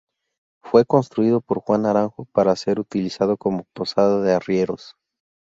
Fue construido por Juan Naranjo para ser utilizado como posada de arrieros.